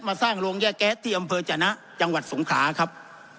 สร้างโรงย่าแก๊สที่อำเภอจนะจังหวัดสงขลาครับ